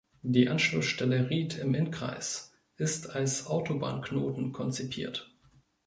Die Anschlussstelle Ried im Innkreis ist als Autobahnknoten konzipiert.